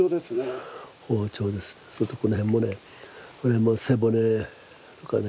それとこの辺もねこれも背骨とかね。